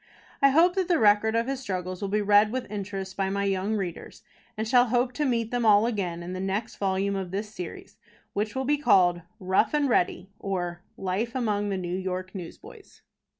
I hope that the record of his struggles will be read with interest by my young readers, and shall hope to meet them all again in the next volume of this series, which will be called: ROUGH AND READY; OR, LIFE AMONG THE NEW YORK NEWSBOYS.